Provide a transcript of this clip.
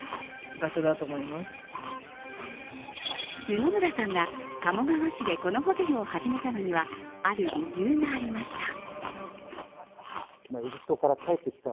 布村さんが鴨川市でこのホテルを始めたのにはある理由がありました。